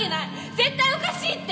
絶対おかしいって！